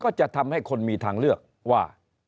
ก็จะทำให้คนมีทางเลือกว่า